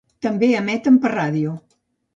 També emeten per ràdio.